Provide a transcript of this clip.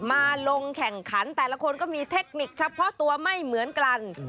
มาลงแข่งขันแต่ละคนก็มีเทคนิคเฉพาะตัวไม่เหมือนกัน